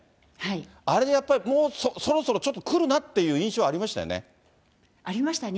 あれでやっぱり、もうそろそろちょっとくるなという印象はありましたよね。